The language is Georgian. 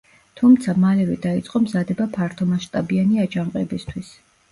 თუმცა, მალევე დაიწყო მზადება ფართომასშტაბიანი აჯანყებისთვის.